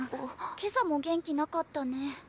今朝も元気なかったね。